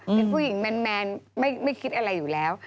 เป็นผู้หญิงแมนไม่คิดอะไรอยู่แล้ว